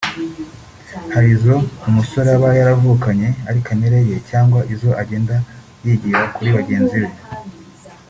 Hari izo umusore aba yaravukanye ari kamere ye cyangwa izo agenda yigira kuri bagenzi be